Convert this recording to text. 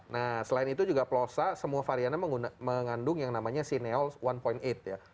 nah selain itu juga plosa semua variannya mengandung yang namanya sineo satu delapan ya